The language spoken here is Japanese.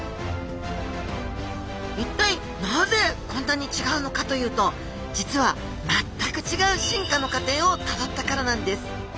一体なぜこんなに違うのかというと実は全く違う進化の過程をたどったからなんです。